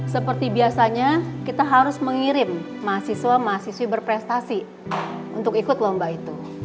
seperti biasanya kita harus mengirim mahasiswa mahasiswi berprestasi untuk ikut lomba itu